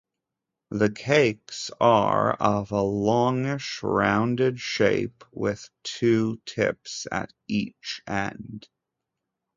The cakes are of a longish rounded shape with two tips at each end.